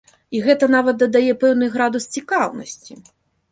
І гэта нават дадае пэўны градус цікаўнасці!